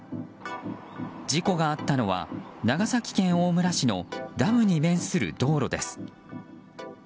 事故があったのは長崎県大村市のダムに面する道路です。